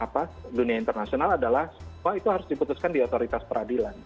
dan agar konten internasional adalah harus diputuskan di otoritas peradilan